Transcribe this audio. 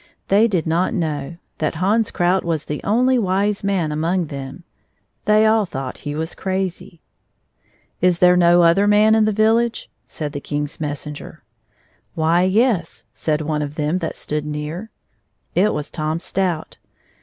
They did not know that Hans Krout was the only wise man among them — they all thought he was crazy. i8i " Is there no other man in the village 1 " said the King's messenger. " Why, yes/' said one of them that stood near — it was Tom Stout.